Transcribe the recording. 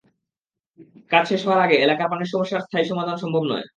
কাজ শেষ হওয়ার আগে এলাকার পানির সমস্যার স্থায়ী সমাধান সম্ভব নয়।